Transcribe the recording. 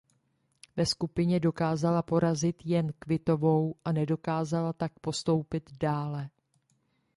Ve skupině dokázala porazit jen Kvitovou a nedokázala tak postoupit dále.